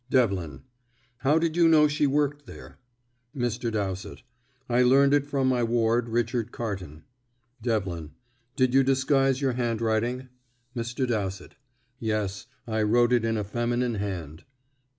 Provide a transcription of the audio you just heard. Devlin: "How did you know she worked there?" Mr. Dowsett: "I learnt it from my ward, Richard Carton." Devlin: "Did you disguise your handwriting?" Mr. Dowsett: "Yes; I wrote it in a feminine hand."